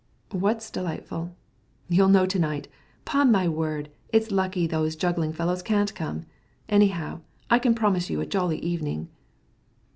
"What's delightful?" "You'll know to night! 'Pon my word, it's lucky those juggling fellows can't come. Anyhow, I can promise you a jolly evening."